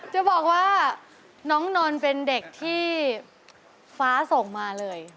จะบอกว่าน้องนนท์เป็นเด็กที่ฟ้าส่งมาเลย